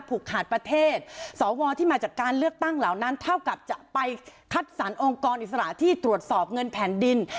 ผูกขาดประเทศสวที่มาจากการเลือกตั้งเหล่านั้นเท่ากับจะไปคัดสรรองค์กรอิสระที่ตรวจสอบเงินแผ่นดิน